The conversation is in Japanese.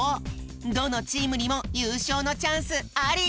どのチームにもゆうしょうのチャンスあり！